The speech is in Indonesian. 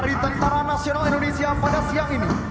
intara nasional indonesia pada siang ini